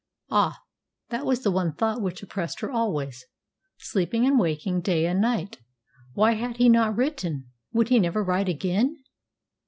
Ah! that was the one thought which oppressed her always, sleeping and waking, day and night. Why had he not written? Would he never write again?